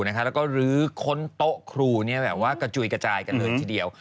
แล้วก็ลื้อค้นโต๊ะครูกระจุยกระจายกันเลยทีเดียว